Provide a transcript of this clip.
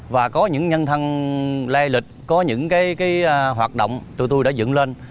và có những nhân thân lai lịch có những hoạt động tụi tôi đã dựng lên